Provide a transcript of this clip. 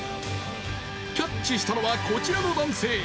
キャッチしたのはこちらの男性。